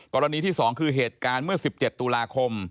กรณีที่๒คือเหตุการณ์เมื่อ๑๗ตุลาคม